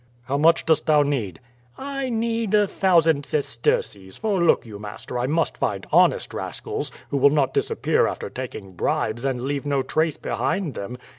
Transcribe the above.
"How much dost thou need?" "I need a thousand sesterces, for look you. Master, I must find honest rascals, who will not disappear after taking bribes and leave no trace behind them.